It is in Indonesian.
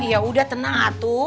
iya udah tenang atuh